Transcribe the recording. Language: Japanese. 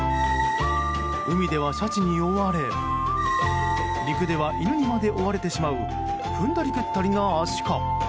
海ではシャチに追われ陸では犬にまで追われてしまう踏んだり蹴ったりなアシカ。